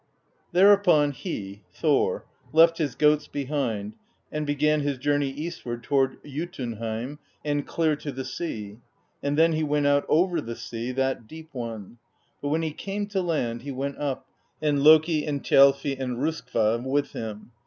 "Thereupon he left his goats behind, and began his journey eastward toward Jotunheim and clear to the sea; and then he went out over the sea, that deep one; but when he came to land, he went up, and Loki and Thjalfi and Roskva with him.